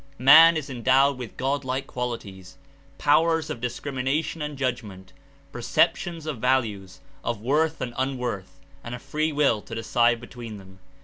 Man Is endowed with God like qualities, powers of discrimination and judgment, perceptions of values — of worth and unworth and a free will to decide between them.